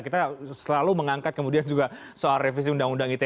kita selalu mengangkat kemudian juga soal revisi undang undang ite